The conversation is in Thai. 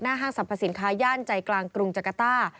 ห้างสรรพสินค้าย่านใจกลางกรุงจักรต้า